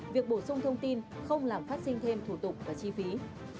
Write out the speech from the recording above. việc bổ sung thông tin không làm phát sinh thêm thủ tục và chi phí